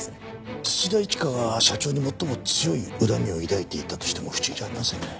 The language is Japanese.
土田一花が社長に最も強い恨みを抱いていたとしても不思議じゃありませんね。